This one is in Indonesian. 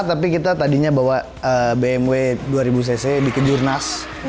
tapi kita tadinya bawa bmw dua ribu cc di kejurnas